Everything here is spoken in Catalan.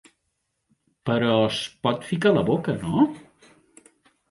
Però es pot ficar a la boca, no?